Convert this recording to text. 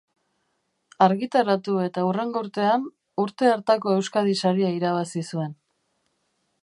Argitaratu eta hurrengo urtean, urte hartako Euskadi Saria irabazi zuen.